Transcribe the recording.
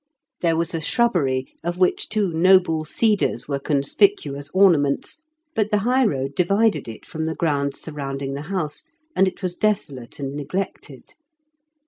There was a shrubbery, of which two noble 24 IN KENT WITH CHABLE8 DICKENS. cedars were conspicuous ornaments, but the high road divided it from the grounds sur rounding the house, and it was desolate and neglected.